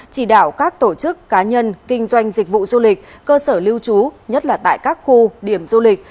chỉ đạo các tổ chức cá nhân kinh doanh dịch vụ du lịch cơ sở lưu trú nhất là tại các khu điểm du lịch